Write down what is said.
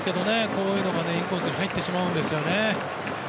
こういうのがインコースに入ってしまうんですよね。